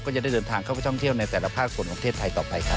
ก็จะได้เดินทางเข้าไปท่องเที่ยวในแต่ละภาคส่วนของประเทศไทยต่อไปครับ